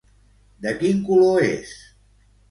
De quin color és?